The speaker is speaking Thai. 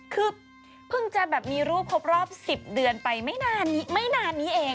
คือเพิ่งจะแบบมีรูปครบรอบ๑๐เดือนไปไม่นานนี้เอง